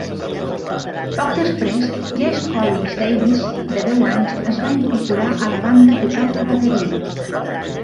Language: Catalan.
Poc després, Jesse Collins-Davies, de deu anys, es va incorporar a la banda tocant la bateria.